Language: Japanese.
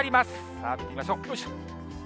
さあ、見てみましょう、よいしょ。